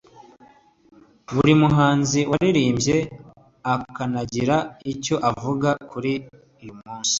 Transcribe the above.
Buri muhanzi waririmbye akanagira icyo avuga kuri uyu munsi